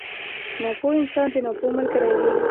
ناپوه انسان د ناپوه ملګری وي.